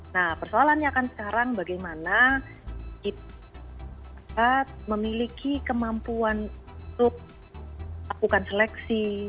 nah persoalannya kan sekarang bagaimana kita memiliki kemampuan untuk lakukan seleksi